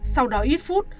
sau đó ít phút